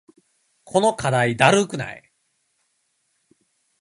この課題だるくない？